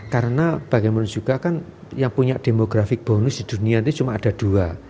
karena bagaimana juga kan yang punya demographic bonus di dunia ini cuma ada dua